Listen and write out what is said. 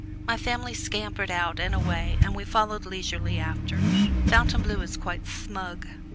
My family scampered out and away and we followed leisurely after. Fontainebleau is quite smug.